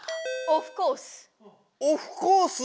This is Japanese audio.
「オフコース」。